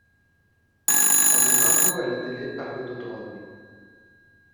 quand les infos à la télé parlaient de drogue.